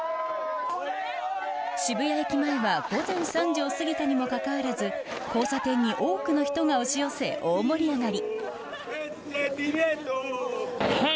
渋谷駅前は午前３時を過ぎたにもかかわらず交差点に多くの人が押し寄せ大盛り上がり。